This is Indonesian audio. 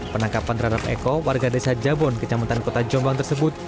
penangkapan terhadap eko warga desa jabon kecamatan kota jombang tersebut